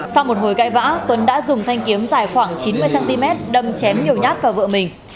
sau một hồi gạy vã tuấn đã dùng thanh kiếm dài khoảng chín mươi cm đâm chém nhiều nhát vào vợ mình